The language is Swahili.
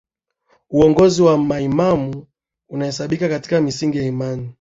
uongozi wa maimamu unahesabika katika msingi wa imani